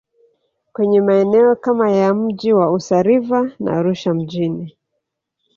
kwenye maeneo kama ya mji wa Usa River na Arusha mjini